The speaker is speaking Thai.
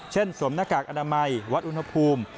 สวมหน้ากากอนามัยวัดอุณหภูมิ